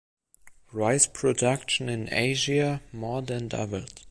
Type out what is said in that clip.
Rice production in Asia more than doubled.